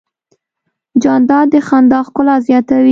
جانداد د خندا ښکلا زیاتوي.